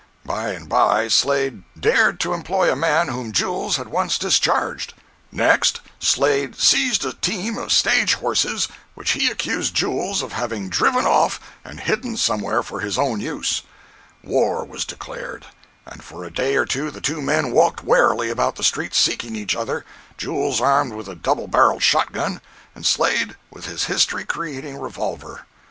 By and by Slade dared to employ a man whom Jules had once discharged. Next, Slade seized a team of stage horses which he accused Jules of having driven off and hidden somewhere for his own use. War was declared, and for a day or two the two men walked warily about the streets, seeking each other, Jules armed with a double barreled shot gun, and Slade with his history creating revolver.